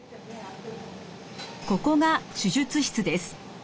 ここが手術室です。